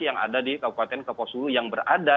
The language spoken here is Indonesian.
yang ada di kabupaten kokosulu yang berada